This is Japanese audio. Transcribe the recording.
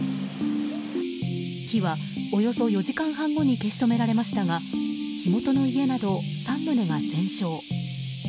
火はおよそ４時間半後に消し止められましたが火元の家など３棟が全焼。